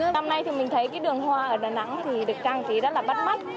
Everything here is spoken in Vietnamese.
năm nay thì mình thấy cái đường hoa ở đà nẵng thì được trang trí rất là bắt mắt